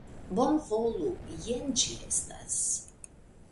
Bonvolu, jen ĝi estas.